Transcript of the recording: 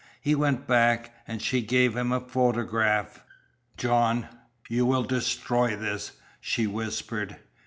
He went back, and she gave him a photograph. "John, you will destroy this," she whispered.